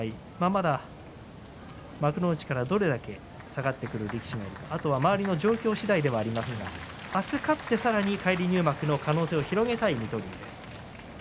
まだ幕内からどれだけ下がってくる力士がいるのかあとは周りの状況次第ではありますが明日、勝ってさらに返り入幕への可能性を広げたい水戸龍です。